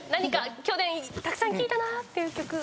去年たくさん聴いたなって曲。